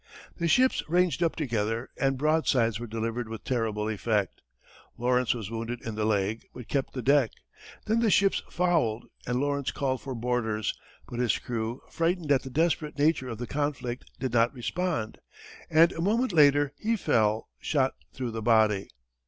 The ships ranged up together and broadsides were delivered with terrible effect. Lawrence was wounded in the leg, but kept the deck. Then the ships fouled, and Lawrence called for boarders, but his crew, frightened at the desperate nature of the conflict, did not respond, and a moment later he fell, shot through the body.